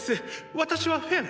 私はフェン。